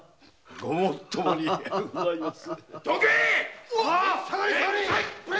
ごもっともでございます。